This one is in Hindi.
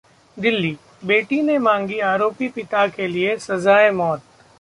दिल्लीः बेटी ने मांगी आरोपी पिता के लिए सजा-ए-मौत